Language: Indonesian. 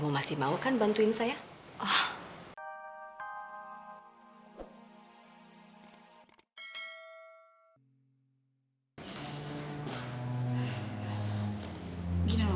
mas mas tunggu dulu